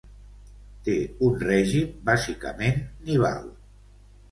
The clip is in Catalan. Té un règim bàsicament nival.